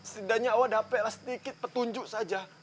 setidaknya oh dapatlah sedikit petunjuk saja